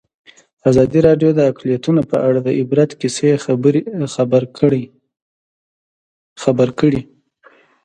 ازادي راډیو د اقلیتونه په اړه د عبرت کیسې خبر کړي.